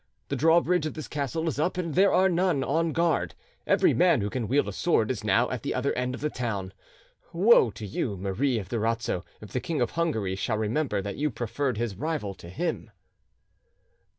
The drawbridge of this castle is up and there are none on guard; every man who can wield a sword is now at the other end of the town. Woe to you, Marie of Durazzo, if the King of Hungary shall remember that you preferred his rival to him!"